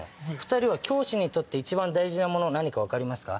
２人は教師にとって一番大事なもの分かりますか？